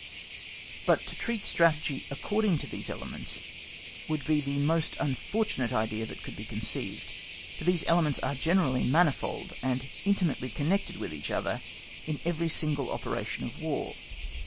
But to treat upon Strategy according to these elements would be the most unfortunate idea that could be conceived, for these elements are generally manifold, and intimately connected with each other in every single operation of War.